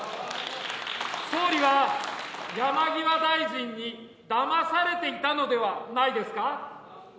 総理は山際大臣にだまされていたのではないですか。